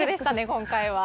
今回は。